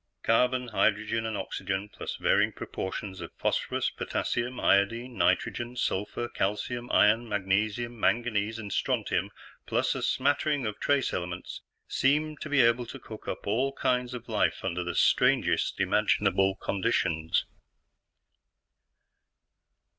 Carbon, hydrogen, and oxygen, plus varying proportions of phosphorus, potassium, iodine, nitrogen, sulfur, calcium, iron, magnesium, manganese, and strontium, plus a smattering of trace elements, seem to be able to cook up all kinds of life under the strangest imaginable conditions.